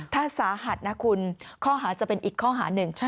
ถ้าสาหัสนะคุณข้อหาจะเป็นอีกข้อหาหนึ่ง